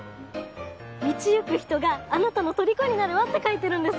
「道行く人があなたの虜になるわ」って書いてるんです。